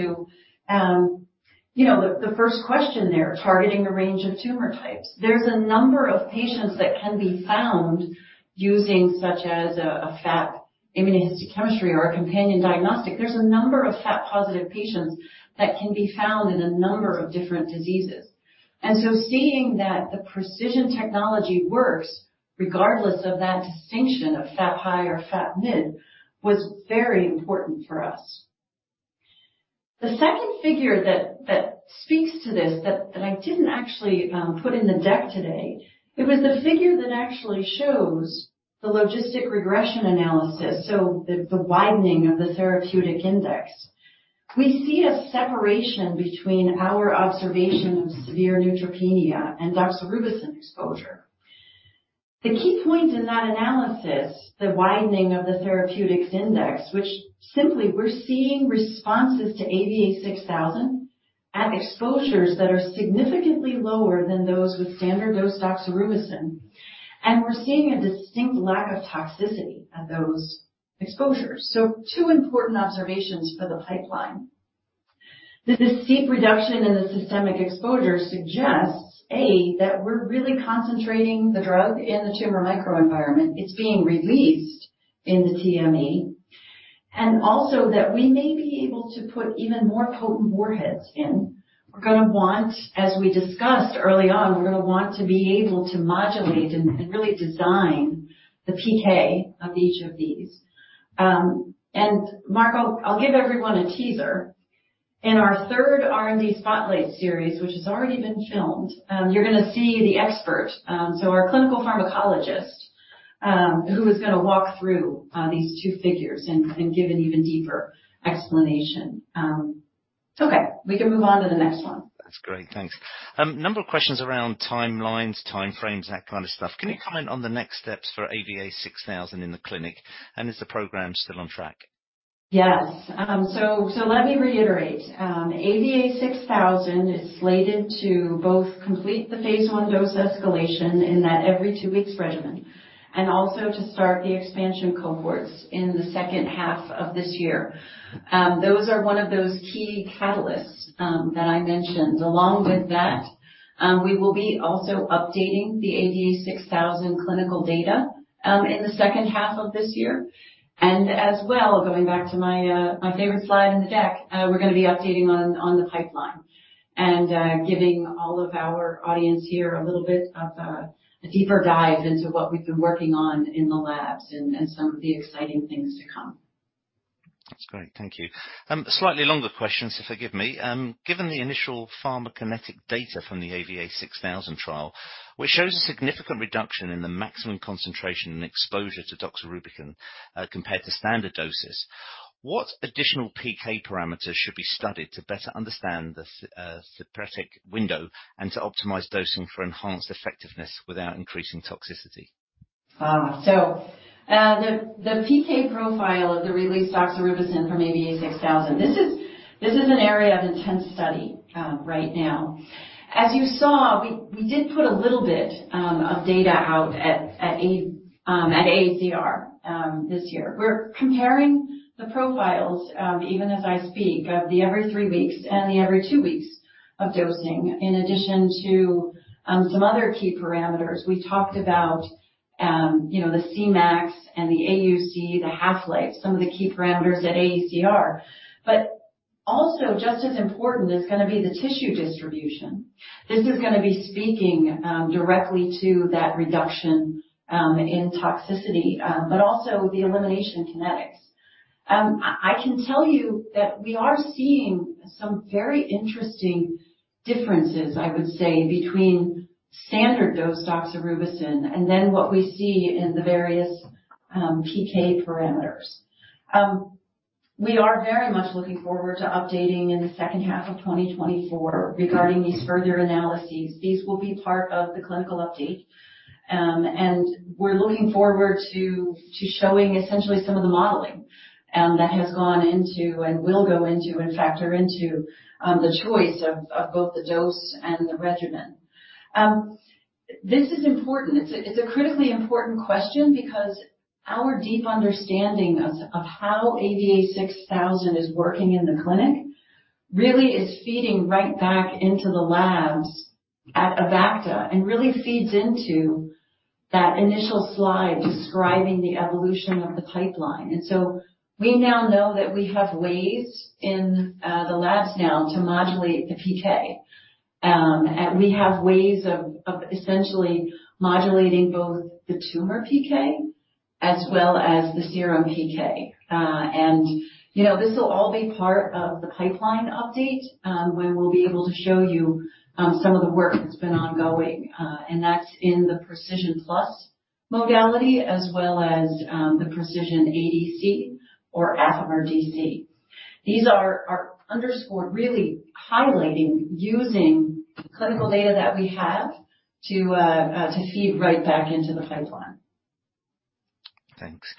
[SPEAKER 2] you know, the first question there, targeting a range of tumor types. There's a number of patients that can be found using, such as a FAP immunohistochemistry or a companion diagnostic. There's a number of FAP-positive patients that can be found in a number of different diseases. And so seeing that the pre|CISION technology works, regardless of that distinction of FAP-high or FAP-mid, was very important for us. The second figure that speaks to this that I didn't actually put in the deck today, it was the figure that actually shows the logistic regression analysis, so the widening of the therapeutic index. We see a separation between our observation of severe neutropenia and doxorubicin exposure. The key point in that analysis, the widening of the therapeutic index, which simply we're seeing responses to AVA6000 at exposures that are significantly lower than those with standard-dose doxorubicin, and we're seeing a distinct lack of toxicity at those exposures. So two important observations for the pipeline. The steep reduction in the systemic exposure suggests, A, that we're really concentrating the drug in the tumor microenvironment. It's being released in the TME, and also that we may be able to put even more potent warheads in. We're gonna want, as we discussed early on, we're gonna want to be able to modulate and really design the PK of each of these. Mark, I'll give everyone a teaser. In our 3rd R&D spotlight series, which has already been filmed, you're gonna see the expert, so our clinical pharmacologist, who is gonna walk through these two figures and give an even deeper explanation. Okay, we can move on to the next one.
[SPEAKER 1] That's great. Thanks. A number of questions around timelines, time frames, that kind of stuff. Can you comment on the next steps for AVA6000 in the clinic, and is the program still on track?
[SPEAKER 2] Yes. So, so let me reiterate. AVA6000 is slated to both complete the phase 1 dose escalation in that every 2 weeks regimen, and also to start the expansion cohorts in the 2nd half of this year. Those are one of those key catalysts that I mentioned. Along with that, we will be also updating the AVA6000 clinical data in the 2nd half of this year. And as well, going back to my my favorite slide in the deck, we're gonna be updating on the pipeline and giving all of our audience here a little bit of a deeper dive into what we've been working on in the labs and some of the exciting things to come.
[SPEAKER 1] That's great. Thank you. Slightly longer questions, so forgive me. Given the initial pharmacokinetic data from the AVA6000 trial, which shows a significant reduction in the maximum concentration and exposure to doxorubicin, compared to standard doses, what additional PK parameters should be studied to better understand the therapeutic window and to optimize dosing for enhanced effectiveness without increasing toxicity?
[SPEAKER 2] So, the PK profile of the released doxorubicin from AVA6000. This is an area of intense study right now. As you saw, we did put a little bit of data out at AACR this year. We're comparing the profiles, even as I speak, of the every three weeks and the every two weeks of dosing, in addition to some other key parameters. We talked about, you know, the Cmax and the AUC, the half-life, some of the key parameters at AACR. But also, just as important, is gonna be the tissue distribution. This is gonna be speaking directly to that reduction in toxicity, but also the elimination kinetics. I can tell you that we are seeing some very interesting differences, I would say, between standard dose doxorubicin, and then what we see in the various, PK parameters. We are very much looking forward to updating in the 2nd half of 2024 regarding these further analyses. These will be part of the clinical update. And we're looking forward to showing essentially some of the modeling that has gone into and will go into and factor into the choice of both the dose and the regimen. This is important. It's a critically important question because our deep understanding of how AVA6000 is working in the clinic really is feeding right back into the labs at Avacta, and really feeds into that initial slide describing the evolution of the pipeline. We now know that we have ways in the labs now to modulate the PK. And we have ways of essentially modulating both the tumor PK as well as the serum PK. You know, this will all be part of the pipeline update when we'll be able to show you some of the work that's been ongoing, and that's in the pre|CISION+ modality, as well as the pre|CISION ADC or Affimer DC. These are underscored, really highlighting using clinical data that we have to feed right back into the pipeline.
[SPEAKER 1] Thanks.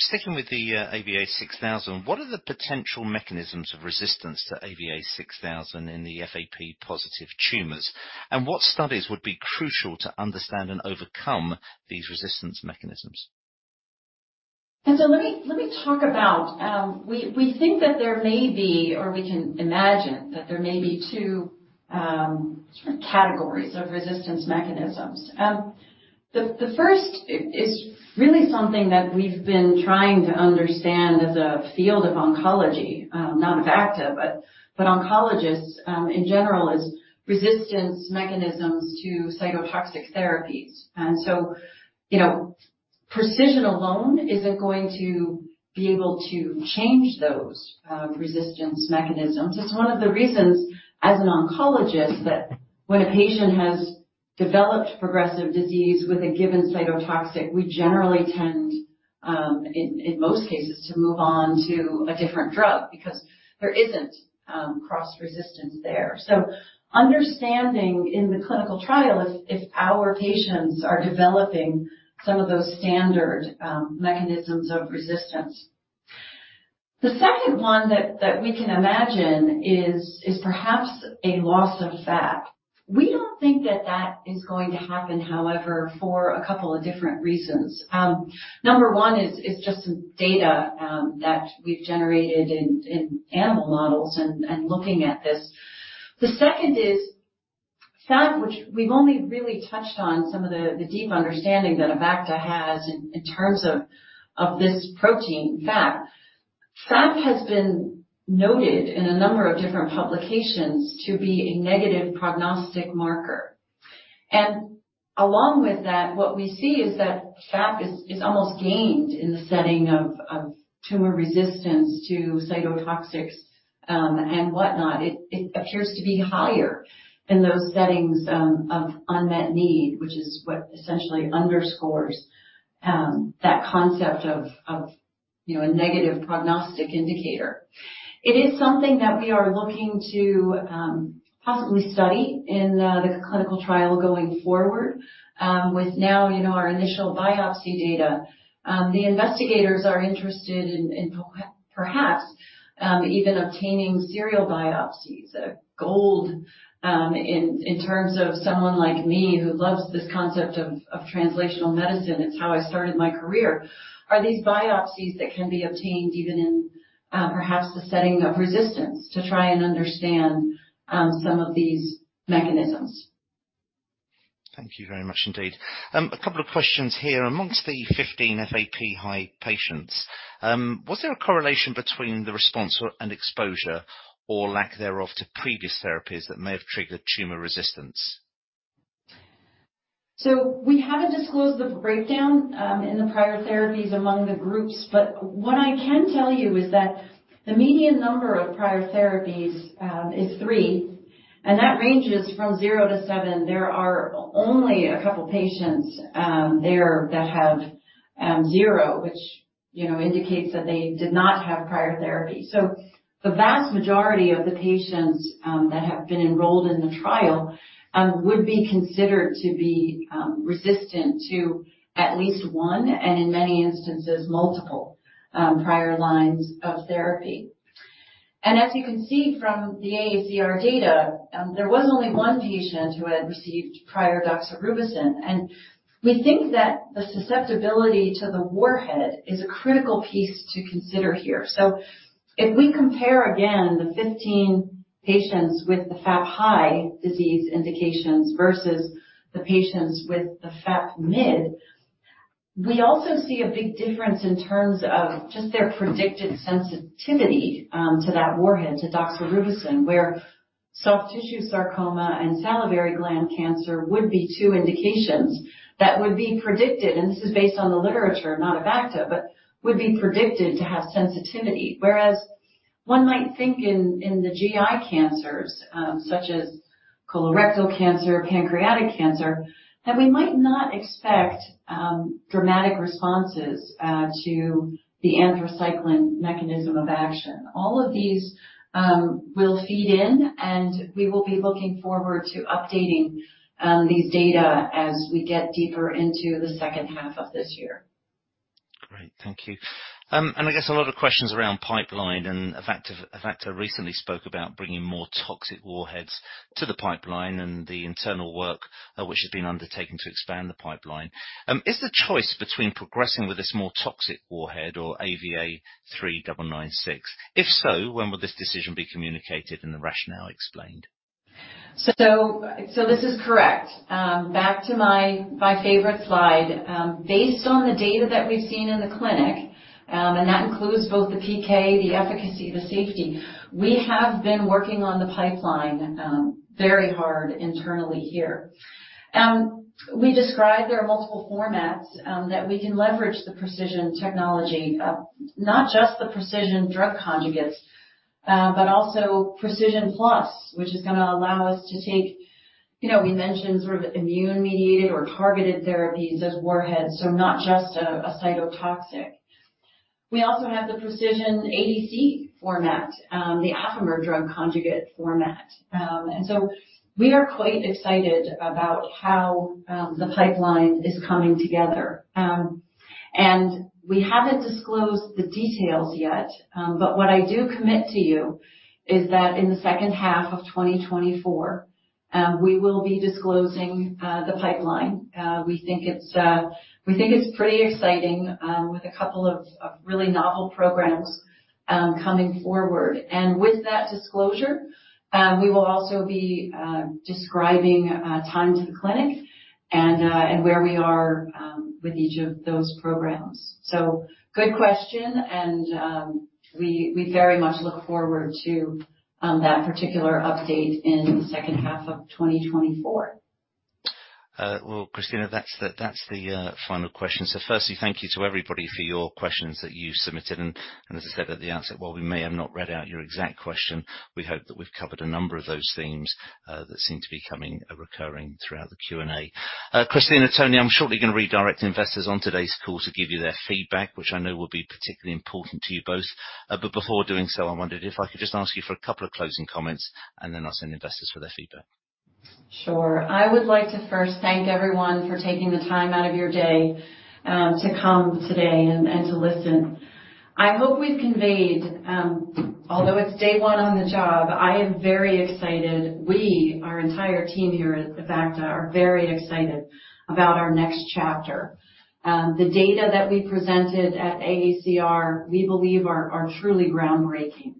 [SPEAKER 1] Sticking with the, AVA6000, what are the potential mechanisms of resistance to AVA6000 in the FAP-positive tumors? And what studies would be crucial to understand and overcome these resistance mechanisms?
[SPEAKER 2] Let me talk about. We think that there may be, or we can imagine, that there may be two sort of categories of resistance mechanisms. The first is really something that we've been trying to understand as a field of oncology, not Avacta, but oncologists in general, is resistance mechanisms to cytotoxic therapies. And so, you know, pre|CISION alone isn't going to be able to change those resistance mechanisms. It's one of the reasons, as an oncologist, that when a patient has developed progressive disease with a given cytotoxic, we generally tend, in most cases, to move on to a different drug because there isn't cross resistance there. So understanding in the clinical trial is if our patients are developing some of those standard mechanisms of resistance. The second one that we can imagine is perhaps a loss of FAP. We don't think that that is going to happen, however, for a couple of different reasons. Number one is just some data that we've generated in animal models and looking at this. The second is FAP, which we've only really touched on some of the deep understanding that Avacta has in terms of this protein, FAP. FAP has been noted in a number of different publications to be a negative prognostic marker. And along with that, what we see is that FAP is almost gained in the setting of tumor resistance to cytotoxics and whatnot. It appears to be higher in those settings of unmet need, which is what essentially underscores that concept of you know, a negative prognostic indicator. It is something that we are looking to possibly study in the clinical trial going forward, with now, you know, our initial biopsy data. The investigators are interested in perhaps even obtaining serial biopsies, in terms of someone like me, who loves this concept of translational medicine. It's how I started my career. Are these biopsies that can be obtained even in perhaps the setting of resistance to try and understand some of these mechanisms?
[SPEAKER 1] Thank you very much indeed. A couple of questions here. Among the 15 FAP-high patients, was there a correlation between the response or, and exposure, or lack thereof, to previous therapies that may have triggered tumor resistance?
[SPEAKER 2] So we haven't disclosed the breakdown in the prior therapies among the groups, but what I can tell you is that the median number of prior therapies is 3, and that ranges from 0 to 7. There are only a couple patients there that have zero, which, you know, indicates that they did not have prior therapy. So the vast majority of the patients that have been enrolled in the trial would be considered to be resistant to at least one, and in many instances, multiple prior lines of therapy. And as you can see from the AACR data, there was only one patient who had received prior doxorubicin, and we think that the susceptibility to the warhead is a critical piece to consider here. So if we compare again the 15 patients with the FAP-high disease indications versus the patients with the FAP-mid, we also see a big difference in terms of just their predicted sensitivity, to that warhead, to doxorubicin. Where soft tissue sarcoma and salivary gland cancer would be two indications that would be predicted, and this is based on the literature, not Avacta, but would be predicted to have sensitivity. Whereas one might think in the GI cancers, such as colorectal cancer, pancreatic cancer, that we might not expect, dramatic responses, to the anthracycline mechanism of action. All of these will feed in, and we will be looking forward to updating, these data as we get deeper into the 2nd half of this year.
[SPEAKER 1] Great, thank you. And I guess a lot of questions around pipeline and Avacta. Avacta recently spoke about bringing more toxic warheads to the pipeline and the internal work, which has been undertaken to expand the pipeline. Is the choice between progressing with this more toxic warhead or AVA3996? If so, when will this decision be communicated and the rationale explained?
[SPEAKER 2] So this is correct. Back to my favorite slide. Based on the data that we've seen in the clinic, and that includes both the PK, the efficacy, the safety. We have been working on the pipeline, very hard internally here. We described there are multiple formats, that we can leverage the pre|CISION technology, not just the pre|CISION drug conjugates, but also pre|CISION+, which is gonna allow us to take... You know, we mentioned sort of immune-mediated or targeted therapies as warheads, so not just a cytotoxic. We also have the pre|CISION ADC format, the Affimer drug conjugate format. And so we are quite excited about how, the pipeline is coming together. And we haven't disclosed the details yet, but what I do commit to you is that in the 2nd half of 2024, we will be disclosing the pipeline. We think it's, we think it's pretty exciting, with a couple of really novel programs coming forward. And with that disclosure, we will also be describing time to the clinic and where we are with each of those programs. So, good question, and we very much look forward to that particular update in the 2nd half of 2024.
[SPEAKER 1] Well, Christina, that's the final question. So firstly, thank you to everybody for your questions that you submitted, and as I said at the outset, while we may have not read out your exact question, we hope that we've covered a number of those themes that seem to be coming recurring throughout the Q&A. Christina, Tony, I'm shortly going to redirect investors on today's call to give you their feedback, which I know will be particularly important to you both. But before doing so, I wondered if I could just ask you for a couple of closing comments, and then I'll send investors for their feedback. Sure. I would like to first thank everyone for taking the time out of your day, to come today and to listen. I hope we've conveyed, although it's day one on the job, I am very excited. We, our entire team here at Avacta, are very excited about our next chapter. The data that we presented at AACR, we believe are truly groundbreaking,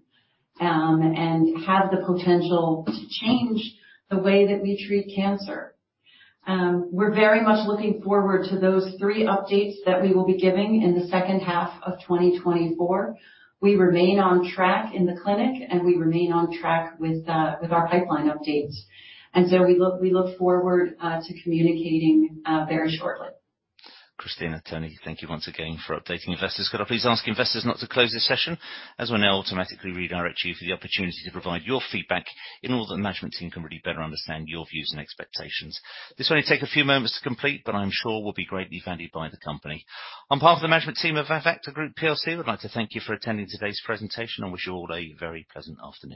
[SPEAKER 1] and have the potential to change the way that we treat cancer. We're very much looking forward to those three updates that we will be giving in the 2nd half of 2024. We remain on track in the clinic, and we remain on track with our pipeline updates, and so we look forward to communicating very shortly. Christina, Tony, thank you once again for updating investors. Could I please ask investors not to close this session, as we'll now automatically redirect you for the opportunity to provide your feedback in order that the management team can really better understand your views and expectations. This will only take a few moments to complete, but I'm sure will be greatly valued by the company. On behalf of the management team of Avacta Group PLC, I'd like to thank you for attending today's presentation and wish you all a very pleasant afternoon.